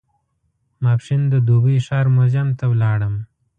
ماپښین د دوبۍ ښار موزیم ته ولاړم.